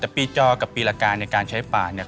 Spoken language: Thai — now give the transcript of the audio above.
แต่ปีจอกับปีละการในการใช้ป่าเนี่ย